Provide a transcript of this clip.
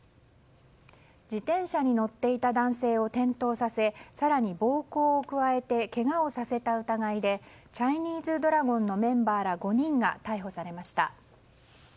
自転車に乗っていた男性を転倒させ更に暴行を加えてけがをさせた疑いでチャイニーズドラゴンのメンバーら５人が逮捕されました。